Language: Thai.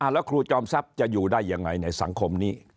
แล้วครูจอมทรัพย์จะอยู่ได้ยังไงในสังคมนี้